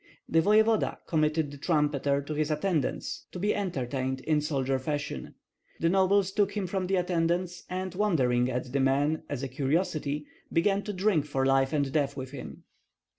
The voevoda committed the trumpeter to his attendants to be entertained in soldier fashion; the nobles took him from the attendants, and wondering at the man as a curiosity, began to drink for life and death with him.